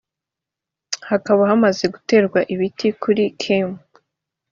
hakaba hamaze guterwa ibiti kuri km